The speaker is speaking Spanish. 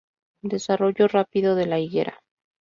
Desarrollo rápido de la higuera.